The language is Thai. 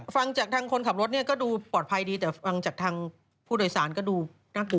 ฟังจากทางคนขับรถเนี่ยก็ดูปลอดภัยดีแต่ฟังจากทางผู้โดยสารก็ดูน่ากลัว